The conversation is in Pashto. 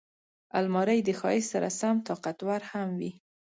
الماري د ښایست سره سم طاقتور هم وي